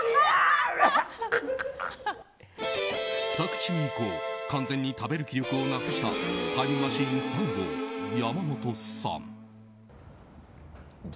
２口目以降完全に食べる気力をなくしたタイムマシーン３号・山本さん。